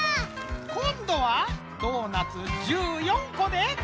こんどはドーナツ１４こで！